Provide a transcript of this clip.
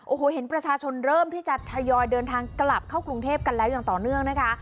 โอ้โหเห็นประชาชนเริ่มที่จะทยอยเดินทางกลับเข้ากรุงเทพกันแล้วอย่างต่อเนื่องนะคะ